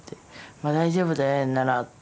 「まあ大丈夫だよ綾乃なら」って。